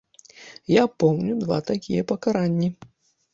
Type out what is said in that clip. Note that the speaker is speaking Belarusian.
Я помню два такія пакаранні.